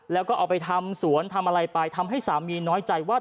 แล้วก็เอาไปทำสวนทำอะไรไปทำให้สามีน้อยใจว่า